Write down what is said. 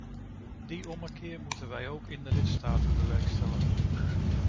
Die ommekeer moeten wij ook in de lidstaten bewerkstelligen.